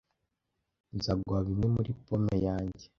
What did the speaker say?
nzaguha bimwe muri pome yanjye